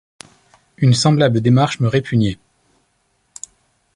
Une semblable démarche me répugnait.